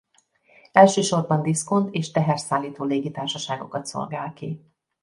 Elsősorban diszkont és teherszállító légitársaságokat szolgál ki.